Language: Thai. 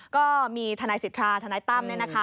ก็มีทนายสิทธาทนายตั้มเนี่ยนะคะ